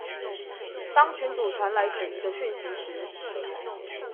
當群組裡傳來可疑的訊息時